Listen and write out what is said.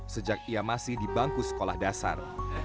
sejak ia masih di bangku sekolah dasar